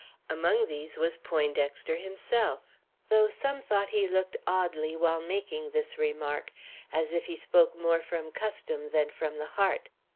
Among these was Poindexter himself, though some thought he looked oddly while making this remark, as if he spoke more from custom than from the heart.